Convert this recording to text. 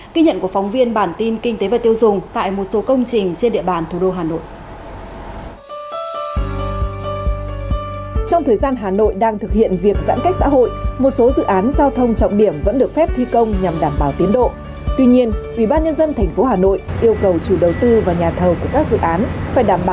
ghi nhận của phóng viên bản tin kinh tế và tiêu dùng tại một số công trình trên địa bàn thủ đô hà nội